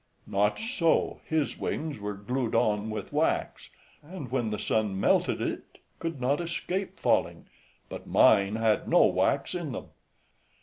MENIPPUS. Not so; his wings were glued on with wax, and when the sun melted it, could not escape falling; but mine had no wax in them.